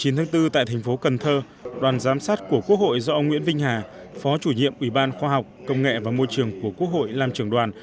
ngày chín tháng bốn tại thành phố cần thơ đoàn giám sát của quốc hội do ông nguyễn vinh hà phó chủ nhiệm ủy ban khoa học công nghệ và môi trường của quốc hội làm trưởng đoàn